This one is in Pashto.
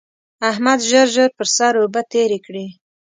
احمد ژر ژر پر سر اوبه تېرې کړې.